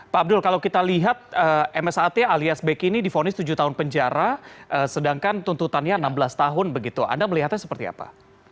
pak abdul kalau kita lihat msat alias beki ini difonis tujuh tahun penjara sedangkan tuntutannya enam belas tahun begitu anda melihatnya seperti apa